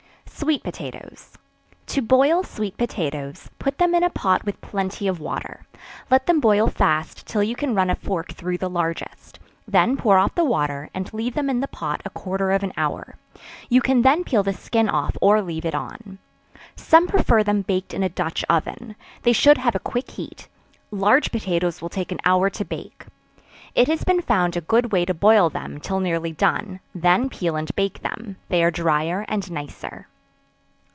Sweet Potatoes. To boil sweet potatoes, put them in a pot with plenty of water; let them boil fast till you can run a fork through the largest; then pour off the water, and leave them in the pot a quarter of an hour; you can then peel the skin off or leave it on. Some prefer them baked in a dutch oven; they should have a quick heat; large potatoes will take an hour to bake. It has been found a good way to boil them, till nearly done; then peel and bake them they are drier and nicer.